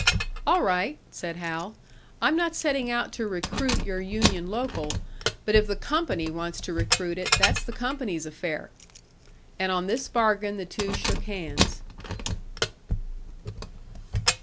"All right," said Hal. "I'm not setting out to recruit your union local, but if the company wants to recruit it, that's the company's affair!" And on this bargain the two shook hands.